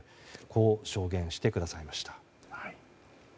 こう証言してくださいました。